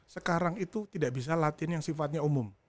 sekarang itu tidak bisa latihan yang sifatnya umum